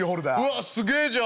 わあすげえじゃん！